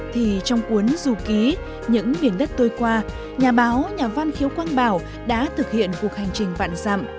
thì trong cuốn dù ký những miền đất tôi qua nhà báo nhà văn khiếu quang bảo đã thực hiện cuộc hành trình vạn dặm